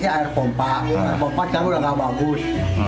air pompa kan udah nggak bagus